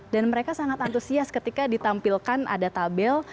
dan mereka sangat antusias ketika ditampilkan ada tabel